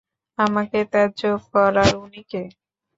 আমাকে ত্যায্য করার উনি কে?